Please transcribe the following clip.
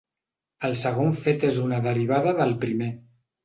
El segon fet és una derivada del primer.